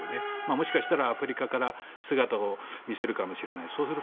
もしかしたらアフリカから姿を見せるかもしれない。